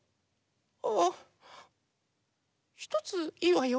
ああひとついいわよ。